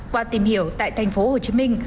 qua tìm hiểu tại thành phố hồ chí minh